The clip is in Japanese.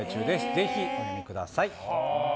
ぜひお読みください。